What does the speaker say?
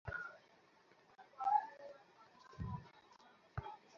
কথাগুলি বলার সময় তাকে এত অসহায় লাগছিল!